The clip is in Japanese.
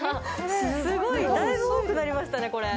すごい、だいぶ多くなりましたね。